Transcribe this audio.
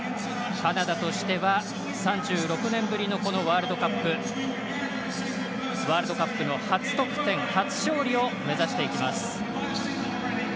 カナダとしては３６年ぶりのワールドカップの初得点、初勝利を目指していきます。